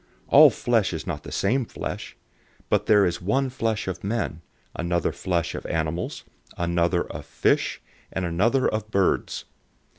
015:039 All flesh is not the same flesh, but there is one flesh of men, another flesh of animals, another of fish, and another of birds.